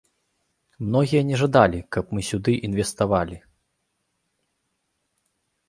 Многія не жадалі, каб мы сюды інвеставалі.